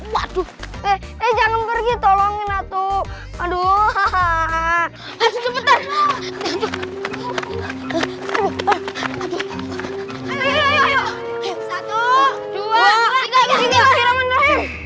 waduh jangan pergi tolongin atuh aduh hahaha